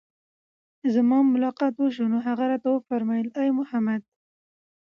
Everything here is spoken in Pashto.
زما ملاقات وشو، نو هغه راته وفرمايل: اې محمد!